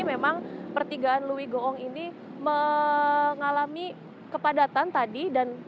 memang pertigaan louis goong ini mengalami kepadatan tadi